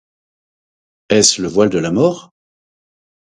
Est-ce le voile de la mort ?